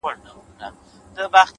د نیت پاکوالی عمل ته معنا ورکوي؛